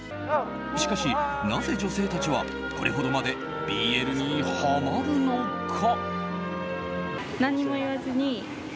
しかし、なぜ女性たちはこれほどまでＢＬにハマるのか。